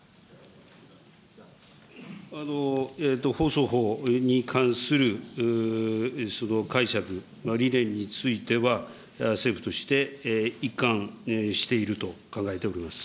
放送法に関するその解釈、理念については、政府として一貫していると考えております。